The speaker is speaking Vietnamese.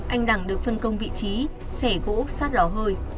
anh đẳng được phân công vị trí xẻ gỗ sát lò hơi